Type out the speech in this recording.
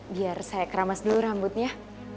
biar saya kramas dulu rambutnya